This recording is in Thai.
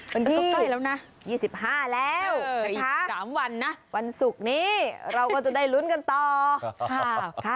เป็นที่๒๕แล้วนะคะวันสุกนี้เราก็จะได้รุ้นกันต่อค่ะเอออีก๓วันนะ